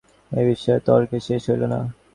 এ বিষয়ে তর্কের শেষ হইল না।